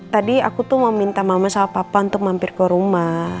tadi aku tuh mau minta mama sama papa untuk mampir ke rumah